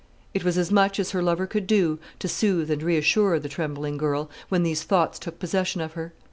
It was as much as her lover could do to soothe and reassure the trembling girl when these thoughts took possession of her.